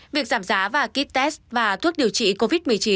việc giảm giá và ký test và thuốc điều trị covid một mươi chín